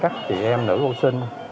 các chị em nữ hô sinh